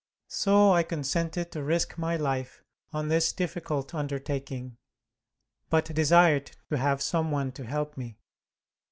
So I consented to risk my life on this difficult undertaking; but desired to have some one to help me."